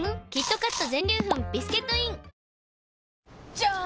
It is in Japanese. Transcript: じゃーん！